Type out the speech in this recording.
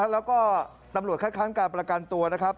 แล้วก็ตำรวจคัดค้านการประกันตัวนะครับ